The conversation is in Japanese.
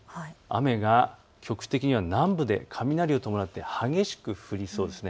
雨が局地的には南部で雷を伴って激しく降りそうです。